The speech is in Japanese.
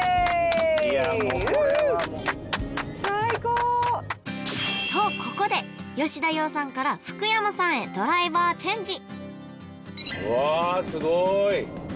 これはもうとここで吉田羊さんから福山さんへドライバーチェンジうわ